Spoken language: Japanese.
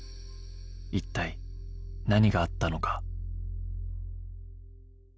一体何があったのか？